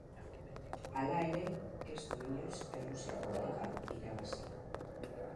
Hala ere ez du inoiz Errusiako Liga irabazi.